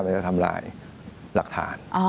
มันจะทำร้ายหลักฐาน